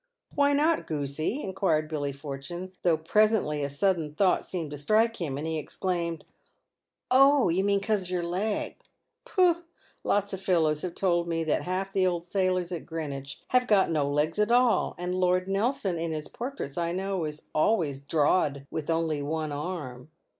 " Why not, Groosey ?" inquired Billy Fortune ; though presently a sudden thought seemed to strike him, and he exclaimed, " Oh, you mean 'cause of your leg ! Pooh ! lots of fellows have told me that half 64 PAYED WITH GOLD. the old sailors at Greenwich have got no legs at all, and Lord Nelson, in his portraits, I know is always drawed with only one arm."